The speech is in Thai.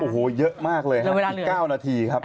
โอ้โหเยอะมากเลยครับเวลาอีก๙นาทีครับ